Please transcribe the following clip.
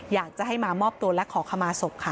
อยากจะให้มามอบตัวและขอขมาศพค่ะ